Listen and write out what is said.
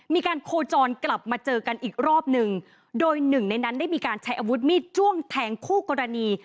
มีการโคจรกลับมาเจอกันอีกรอบหนึ่งโดยหนึ่งในนั้นได้มีการใช้อาวุธมีดจ้วงแทงคู่กรณี